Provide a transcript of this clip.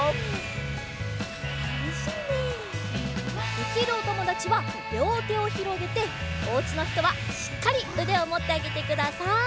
できるおともだちはりょうてをひろげておうちのひとはしっかりうでをもってあげてください。